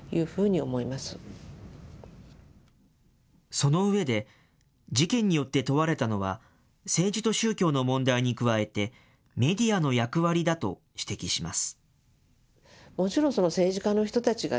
その上で、事件によって問われたのは、政治と宗教の問題に加えて、メディアの役割だと指摘します。